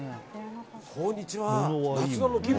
こんにちは。